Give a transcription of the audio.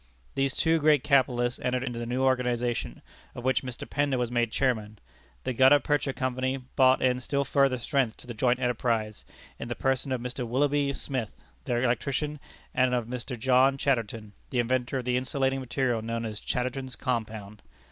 These two great capitalists entered into the new organization, of which Mr. Pender was made Chairman. The Gutta Percha Company brought in still further strength to the joint enterprise, in the person of Mr. Willoughby Smith, their electrician, and of Mr. John Chatterton, the inventor of the insulating material known as Chatterton's Compound.